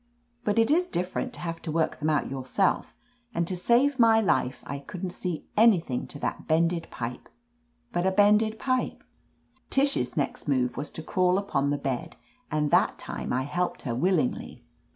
But it is differ ent to have to work them out yourself, and to save my life I couldn't see an)rthing to that bended pipe but a bended pipe. Tish's next move was to crawl upon the, bed, and that time I helped her willingly.